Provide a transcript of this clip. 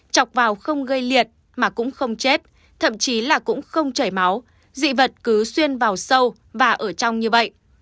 chọc vào không gây liệt mà cũng không chết thậm chí là cũng không chảy máu dị vật cứ xuyên vào sâu và ở trong như vậy